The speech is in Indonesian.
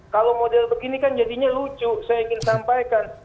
kalau model begini kan jadinya lucu saya ingin sampaikan